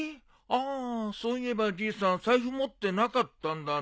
ああそういえばじいさん財布持ってなかったんだな。